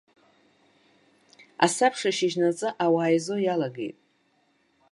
Асабша шьыжьнаҵы ауаа еизо иалагеит.